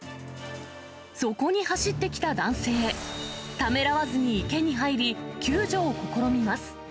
そこに走ってきた男性、ためらわずに池に入り、救助を試みます。